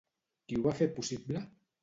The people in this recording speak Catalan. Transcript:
Qui ho va fer possible?